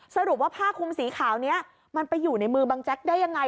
สรุปว่าผ้าคุมสีขาวนี้มันไปอยู่ในมือบังแจ๊กได้ยังไง